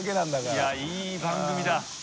いやいい番組だ。